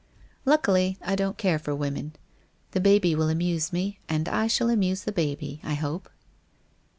Luckily, I don't care for women. The baby will amuse me, and I shall amuse the baby, I hope.